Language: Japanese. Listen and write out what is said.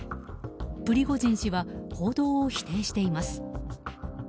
プリゴジン氏は報道を否定しています。